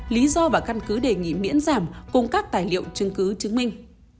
lý do và căn cứ đề nghị miễn giảm cùng các tài liệu chứng cứ chứng minh